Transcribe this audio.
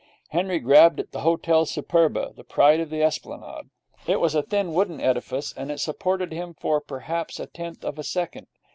Henry grabbed at the Hotel Superba, the pride of the Esplanade. It was a thin wooden edifice, and it supported him for perhaps a tenth of a second.